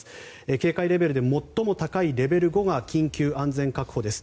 警戒レベルで最も高いレベル５が緊急安全確保です。